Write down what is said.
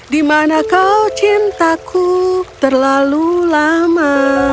di mana kau cintaku terlalu lama